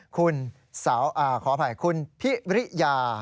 คุณขออภัยคุณพิริยา